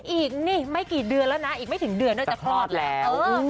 อีกไม่กี่เดือนแล้วนะอีกไม่ถึงเดือนหน่อยแต่พอลอดแล้ว